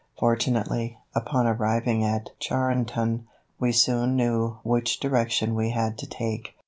Fortunately, upon arriving at Charenton, we soon knew which direction we had to take.